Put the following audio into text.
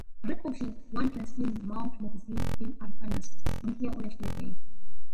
Reportedly, one can see Mount Magazine in Arkansas from here on a clear day.